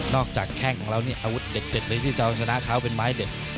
นอกจากแข่งของเรานี่อาวุธเด็ดใดที่จะชนะเขาเป็นไม้เด็ด